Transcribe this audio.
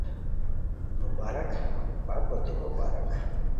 مبارک بپوتے مبارک